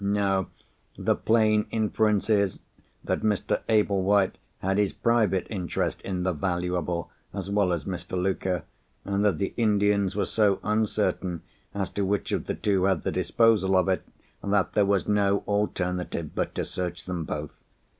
no! The plain inference is, that Mr. Ablewhite had his private interest in the 'valuable' as well as Mr. Luker, and that the Indians were so uncertain as to which of the two had the disposal of it, that there was no alternative but to search them both.